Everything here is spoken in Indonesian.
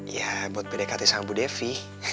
ya buat pdkt sama bu devi